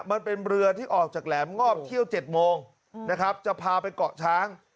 มันเป็นเรือที่ออกจากแหลมงอบเที่ยว๗โมงนะครับจะพาไปเกาะช้าง